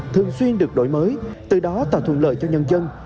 thường xuyên được đổi mới từ đó tạo thuận lợi cho nhân dân